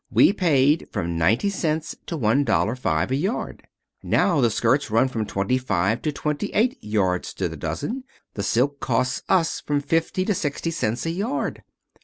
We paid from ninety cents to one dollar five a yard. Now our skirts run from twenty five to twenty eight yards to the dozen. The silk costs us from fifty to sixty cents a yard.